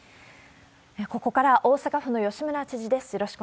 ここから、大阪府の吉村知事です。